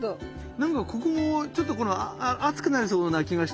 なんかここもちょっと熱くなりそうな気がして。